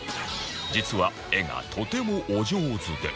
実は絵がとてもお上手で